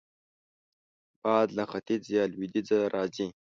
باد له ختیځ یا لوېدیځه راځي